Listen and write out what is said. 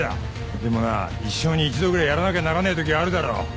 でもな一生に一度ぐらいやらなきゃならねえときがあるだろ。